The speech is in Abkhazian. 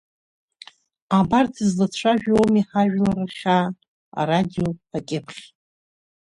Абарҭ злацәажәо ауми ҳажәлар рхьаа, арадио, акьыԥхь.